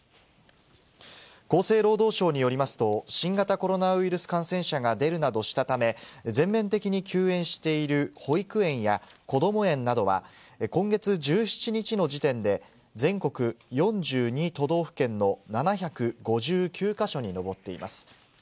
厚生労働省によりますと、新型コロナウイルス感染者が出るなどしたため、全面的に休園している保育園やこども園などは、今月１７日の時点で、全国４２都道府県の７５９か所に上っています。